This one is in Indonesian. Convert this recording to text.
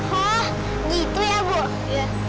hah gitu ya bu